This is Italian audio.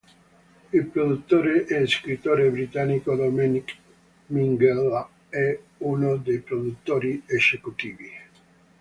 Il produttore e scrittore britannico Dominic Minghella è uno dei produttori esecutivi.